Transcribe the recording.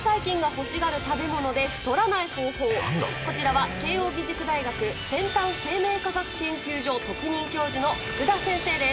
こちらは慶應義塾大学先端生命科学研究所特任教授の福田先生です。